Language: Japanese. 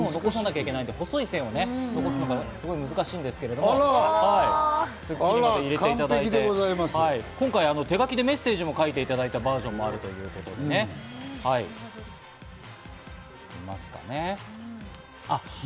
細い線を残すのがすごい難しいんですけど、「スッキリ」も入れていただいて、今回、手書きでメッセージも書いていただいたバージョンもあるということです。